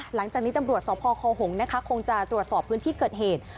หลังจากนี้ตำรวจสพคหงษ์นะคะคงจะตรวจสอบพื้นที่เกิดเหตุ